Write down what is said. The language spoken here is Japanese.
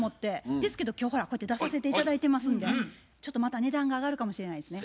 ですけど今日ほらこうやって出させて頂いてますんでちょっとまた値段が上がるかもしれないですね。